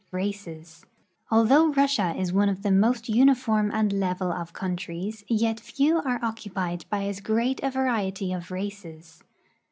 RACES. Although Russia is one of the most uniform and level of countries, yet few are occupied by as great a variety of races.